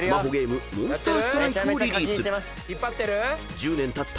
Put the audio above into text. ［１０年たった